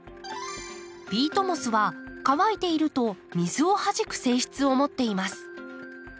ピートモスは乾いていると水をはじく性質を持っています。